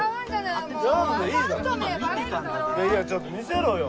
いやちょっと見せろよ。